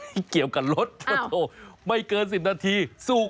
ที่เกี่ยวกับรถไม่เกิน๑๐นาทีสุก